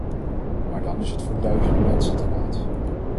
Maar dan is het voor duizenden mensen te laat.